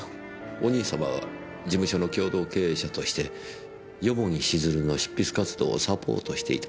お兄様は事務所の共同経営者として蓬城静流の執筆活動をサポートしていたと伺っていますが。